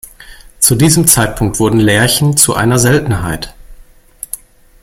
Zu diesem Zeitpunkt wurden Lerchen zu einer Seltenheit.